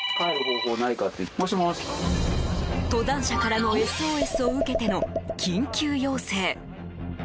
登山者からのＳＯＳを受けての緊急要請。